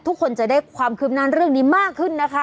ทุกคนจะได้ความคืบหน้าเรื่องนี้มากขึ้นนะคะ